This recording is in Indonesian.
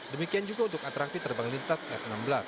demikian juga untuk atraksi terbang lintas f enam belas